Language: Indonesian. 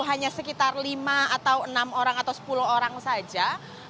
hanya sekitar lima atau enam orang atau sepuluh orang saja